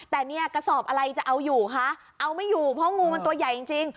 แต่เนี่ยกระสอบอะไรจะเอาอยู่คะเอาไม่อยู่เพราะงูมันตัวใหญ่จริง